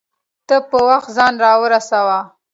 ته په وخت ځان راورسوه